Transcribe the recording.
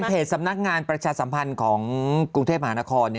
เพจสำนักงานประชาสัมพันธ์ของกรุงเทพมหานคร